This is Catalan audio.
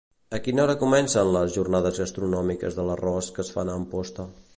A quina hora comencen les "Jornades Gastronòmiques de l'arròs" que es fan a Amposta?